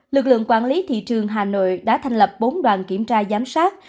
lực lượng quản lý thị trường hà nội đã thành lập bốn đoàn kiểm tra giám sát